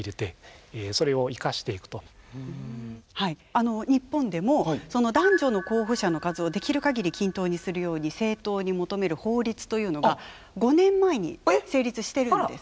あの日本でもその男女の候補者の数をできる限り均等にするように政党に求める法律というのが５年前に成立してるんです。